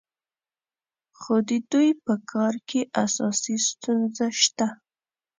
خو د دوی په کار کې اساسي ستونزه شته.